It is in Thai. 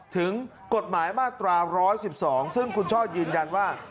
ถึงกฎหมายมาตรา๑๑๒ซึ่งคุณช่อยืนยันว่า